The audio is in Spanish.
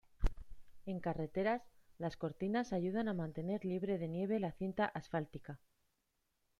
En carreteras, las cortinas ayudan a mantener libre de nieve la cinta asfáltica.